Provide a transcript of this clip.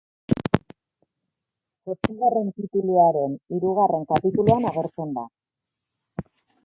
Zortzigarren tituluaren hirugarren kapituluan agertzen da.